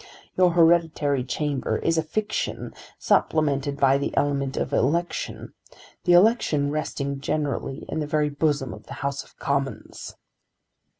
Your hereditary chamber is a fiction supplemented by the element of election, the election resting generally in the very bosom of the House of Commons."